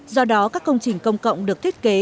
do đó các công trình công cộng được thiết kế